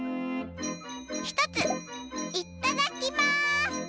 ひとついっただきます！